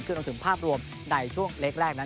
ขึ้นลงถึงภาพรวมในช่วงเลขแรกนั้น